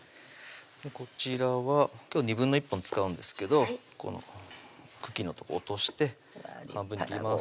こちらは今日は１／２本使うんですけどこの茎のとこ落として半分に切ります